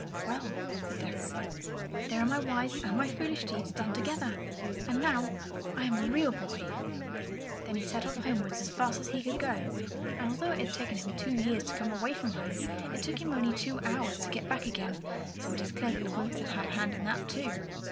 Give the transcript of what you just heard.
"Well," said deaf Robert, "there are my wise and my foolish deeds done together, and now I am a real boy!" Then off he set homewards as fast as he could go; and although it had taken him two years to come away from home, it only took him two hours to get back again, so it is clear that the wymps must have had a hand in that, too.